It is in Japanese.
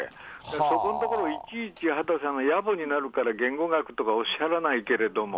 そこのところ、いちいち畑さんは、やぼになるから言語学とかおっしゃらないけれども。